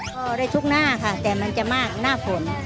ก็ได้ทุกหน้าค่ะแต่มันจะมากหน้าฝน